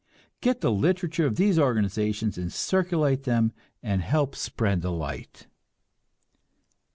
Get the literature of these organizations and circulate them and help spread the light!